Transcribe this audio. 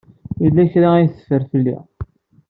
Yella kra ay teffer fell-i.